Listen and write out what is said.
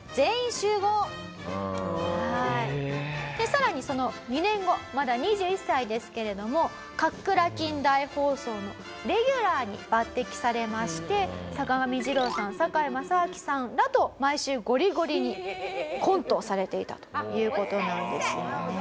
更にその２年後まだ２１歳ですけれども『カックラキン大放送！！』のレギュラーに抜擢されまして坂上二郎さん堺正章さんらと毎週ゴリゴリにコントをされていたという事なんですよね。